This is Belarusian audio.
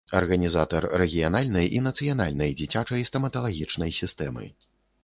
Арганізатар рэгіянальнай і нацыянальнай дзіцячай стаматалагічнай сістэмы.